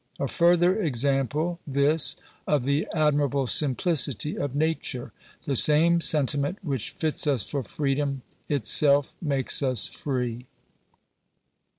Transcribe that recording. A further example, this, of the admirable simplicity of nature. The same sentiment which fits us for freedom, itself makes us free.